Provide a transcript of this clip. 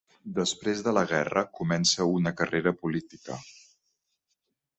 Després de la guerra, comença una carrera política.